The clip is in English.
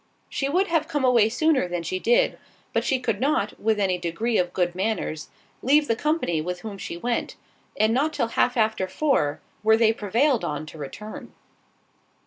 She would have come away sooner than she did, but she could not, with any degree of good manners, leave the company with whom she went; and not till half after four, were they prevailed on to return.